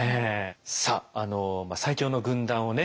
さああの最強の軍団をね